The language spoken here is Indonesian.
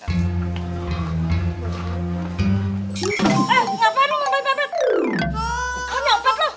kau nyopet loh